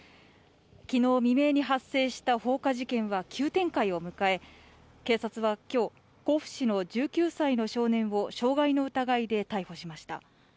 昨日未明に発生した放火事件は急展開を迎え、警察は今日甲府市の１９歳の少年を傷害の疑いで逮捕しました。